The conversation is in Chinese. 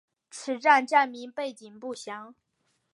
此站站名背景不详。